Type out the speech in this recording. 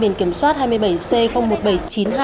biển kiểm soát hai mươi bảy c một nghìn bảy trăm chín mươi hai